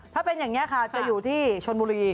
ถ้าเป็นอย่างนี้ค่ะจะอยู่ที่ชนบุรี